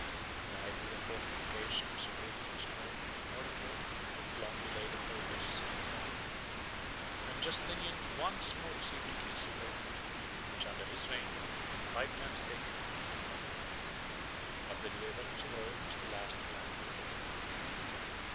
Neither the fortifications of Hadrian's mole, nor of the port, could long delay the progress of the conqueror; and Justinian once more received the keys of Rome, which, under his reign, had been five times taken and recovered. 39 But the deliverance of Rome was the last calamity of the Roman people.